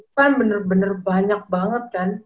itu kan bener bener banyak banget kan